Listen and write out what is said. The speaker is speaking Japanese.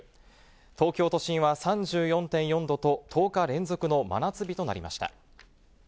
東京都心は３４．４度と、１０日連続の真夏日となりました。